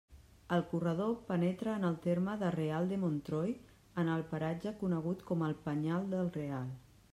El corredor penetra en el terme de Real de Montroi en el paratge conegut com el Penyal del Real.